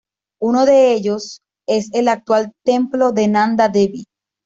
Uno de ellos es el actual templo de Nanda Devi.